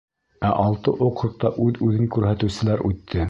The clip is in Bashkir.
Ә алты округта үҙ-үҙен күрһәтеүселәр үтте.